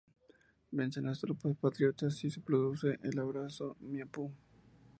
Vencen las tropas patriotas, y se produce el abrazo de Maipú.